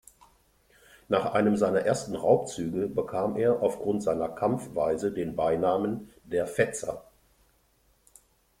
Nach einem seiner ersten Raubzüge bekam er aufgrund seiner Kampfweise den Beinamen „der Fetzer“.